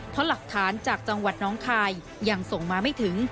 เพราะหลักฐานจากจังหวัดน้องคายยังส่งมาไม่ถึง